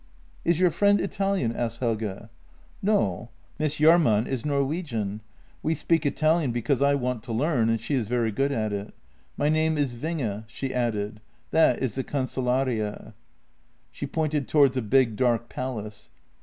" Is your friend Italian? " asked Helge. "No; Miss Jahrman is Norwegian. We speak Italian be cause I want to learn, and she is very good at it. My name is Winge," she added. " That is the Cancellaria." She pointed towards a big, dark palace.